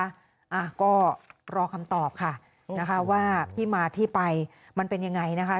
อ่าก็รอคำตอบค่ะนะคะว่าที่มาที่ไปมันเป็นยังไงนะคะ